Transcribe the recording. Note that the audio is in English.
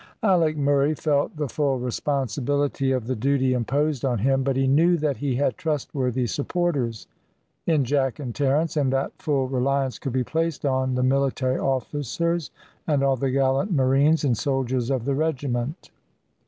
Alick Murray felt the full responsibility of the duty imposed on him, but he knew that he had trustworthy supporters in Jack and Terence, and that full reliance could be placed on the military officers and on the gallant marines and soldiers of the regiment.